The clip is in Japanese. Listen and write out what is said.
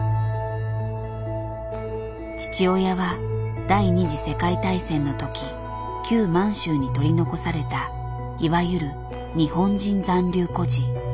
父親は第２次世界大戦の時旧満州に取り残されたいわゆる日本人残留孤児。